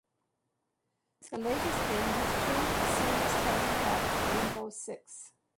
The latest game has changed the series title back to "Rainbow Six".